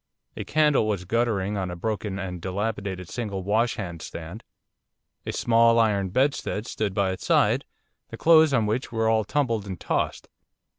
A candle was guttering on a broken and dilapidated single washhand stand. A small iron bedstead stood by its side, the clothes on which were all tumbled and tossed.